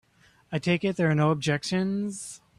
Then I take it there are no objections.